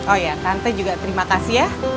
oh ya tante juga terima kasih ya